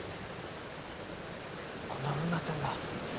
こんなふうなってんだ。